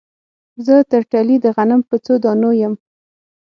زه ترټلي د غنم په څو دانو یم